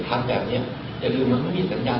พอตแตกมีหลวงแบบไง